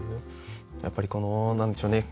やっぱりこの何でしょうね